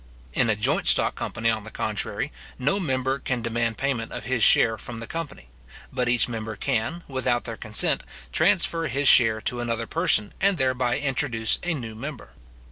In a joint stock company, on the contrary, no member can demand payment of his share from the company; but each member can, without their consent, transfer his share to another person, and thereby introduce a new member.